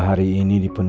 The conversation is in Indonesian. saya sudah tersenyum